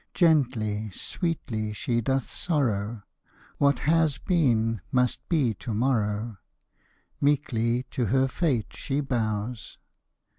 Gently, sweetly she doth sorrow: What has been must be to morrow; Meekly to her fate she bows.